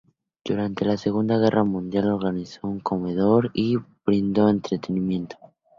Durante la Segunda Guerra Mundial, organizó un comedor y brindó entretenimiento.